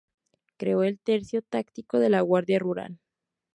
Creó el Tercio Táctico de la Guardia Rural.